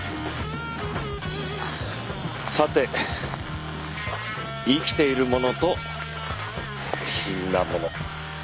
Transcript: さて生きているものと死んだもの。